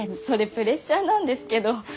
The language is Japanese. それプレッシャーなんですけど。